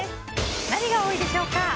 何が多いでしょうか。